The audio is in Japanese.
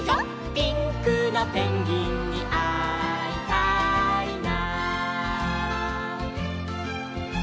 「ピンクのペンギンにあいたいな」